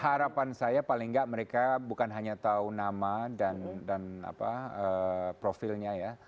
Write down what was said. harapan saya paling nggak mereka bukan hanya tahu nama dan profilnya ya